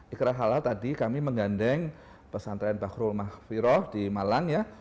ikral halal tadi kami menggandeng pesantren bahrul mahfiroh di malang ya